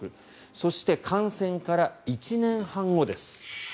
そして、感染から１年半後です。